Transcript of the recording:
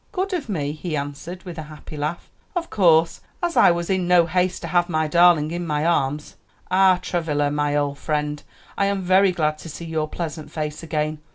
"Good of me," he answered, with a happy laugh. "Of course, as I was in no haste to have my darling in my arms. Ah, Travilla, my old friend, I am very glad to see your pleasant face again."